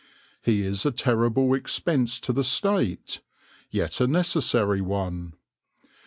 He is a terrible expense to the State, yet a necessary one.